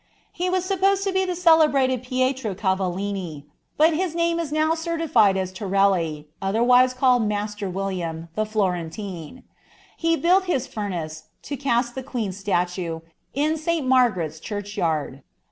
He was supposed to xaebrated Pietro Cavallini, but his name is now certified as To iherwise called Master William, the Florentine. He built his I to cast the queen's statue, in St Margaret's churchyard.